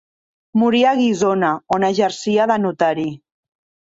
Morí a Guissona, on exercia de notari.